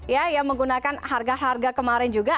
ya yang menggunakan harga harga kemarin juga